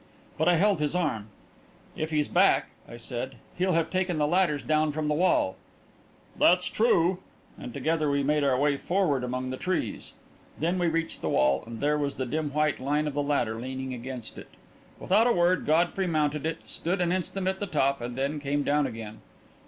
But I held his arm. "If he's back," I said, "he'll have taken the ladders down from the wall." "That's true," and together we made our way forward among the trees. Then we reached the wall, and there was the dim white line of the ladder leaning against it. Without a word, Godfrey mounted it, stood an instant at the top, and then came down again.